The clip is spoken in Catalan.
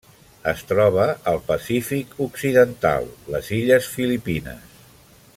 Es troba al Pacífic occidental: les illes Filipines.